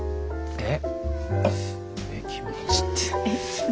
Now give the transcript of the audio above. えっ。